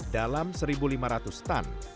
dalam satu lima ratus tan